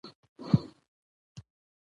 يو بل ځای راځي